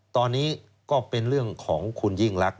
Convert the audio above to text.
ตอนนี้ก็เป็นเรื่องของคุณยิ่งรัก